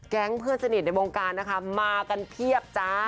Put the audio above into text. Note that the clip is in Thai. เพื่อนสนิทในวงการนะคะมากันเพียบจ้า